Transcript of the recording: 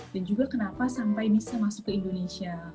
dan juga kenapa sampai bisa masuk ke indonesia